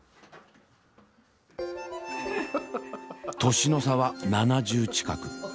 年の差は７０近く。